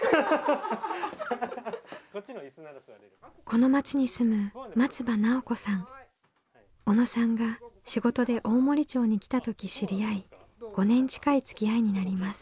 この町に住む小野さんが仕事で大森町に来た時知り合い５年近いつきあいになります。